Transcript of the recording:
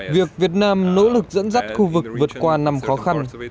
việc việt nam nỗ lực dẫn dắt khu vực vượt qua năm khó khăn